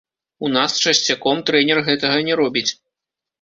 У нас часцяком трэнер гэтага не робіць.